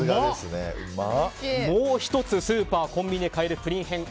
もう１つスーパー・コンビニで買えるプリン編。